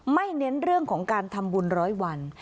เน้นเรื่องของการทำบุญร้อยวัน